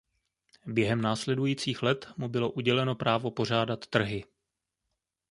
Během následujících let mu bylo uděleno právo pořádat trhy.